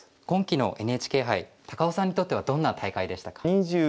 今期のＮＨＫ杯高尾さんにとってはどんな大会でしたか？